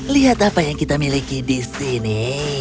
lihat apa yang kita miliki di sini